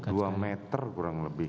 dua meter kurang lebih